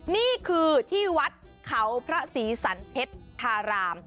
นี่คือที่วัดเขาพระศรีสันเพชรธาราม